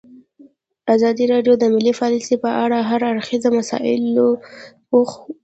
ازادي راډیو د مالي پالیسي په اړه د هر اړخیزو مسایلو پوښښ کړی.